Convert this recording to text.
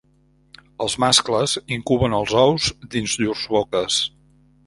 Els mascles incuben els ous dins llurs boques.